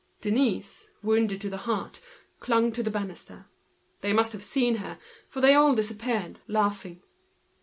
Denise, wounded to the heart, clung to the banister. They must have seen her, for they all disappeared, laughing.